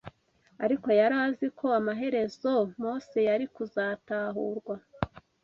Ariko yari azi ko amaherezo Mose yari kuzatahurwa